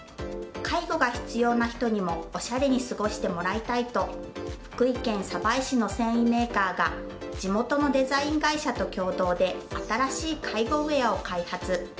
介護が必要な人にもおしゃれに過ごしてもらいたいと福井県鯖江市の繊維メーカーが地元のデザイン会社と共同で新しい介護ウェアを開発。